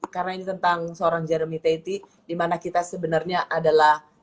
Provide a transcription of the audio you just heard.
karena ini tentang seorang jeremy teti dimana kita sebenarnya adalah